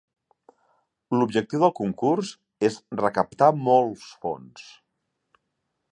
L'objectiu del concurs és recaptar molts fons.